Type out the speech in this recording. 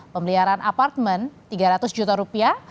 pemeliharaan apartemen tiga ratus juta rupiah